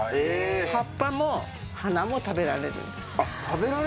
葉っぱも花も食べられる。